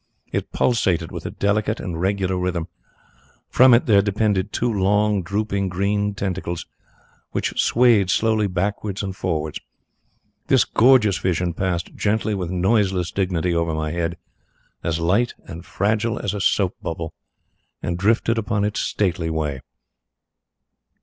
It pulsated with a delicate and regular rhythm. From it there depended two long, drooping, green tentacles, which swayed slowly backwards and forwards. This gorgeous vision passed gently with noiseless dignity over my head, as light and fragile as a soap bubble, and drifted upon its stately way.